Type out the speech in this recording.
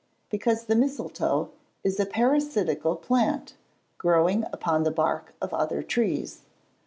_ Because the mistletoe is a parasitical plant, growing upon the bark of other trees.